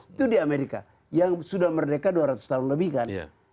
itu di amerika yang sudah merdeka dua ratus tahun lebih kan